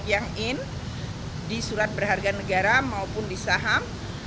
kepala pemerintah kita akan mencari keuntungan untuk mencapai keuntungan yang lebih baik